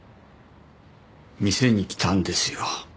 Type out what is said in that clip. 店に来たんですよ